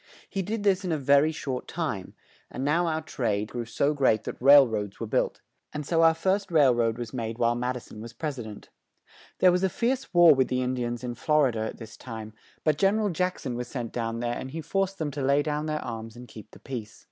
He did this in a ver y short time; and now our trade grew so great that rail roads were built; and so our first rail road was made while Mad i son was Pres i dent. [Illustration: FIRST RAILROAD TRAIN.] There was a fierce war with the In di ans in Flor i da at this time; but Gen er al Jack son was sent down there and he forced them to lay down their arms and keep the peace.